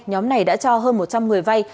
nhóm này đã cho hơn một trăm linh người vay